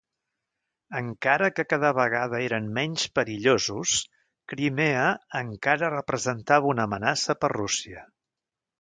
Encara que cada vegada eren menys perillosos, Crimea encara representava una amenaça per Rússia.